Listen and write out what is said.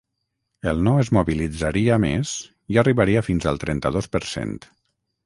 El no es mobilitzaria més i arribaria fins al trenta-dos per cent.